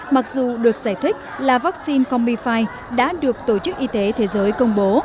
mặc dù được giải thích là vaccine combi fi đã được tổ chức y tế thế giới công bố